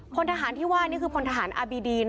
พลทหารที่ว่านี่คือพลทหารอาบีดีน